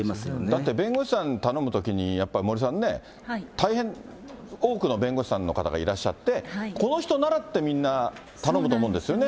だって弁護士さんに頼むときにやっぱり森さんね、大変多くの弁護士さんの方がいらっしゃって、この人ならってみんな頼むと思うんですよね。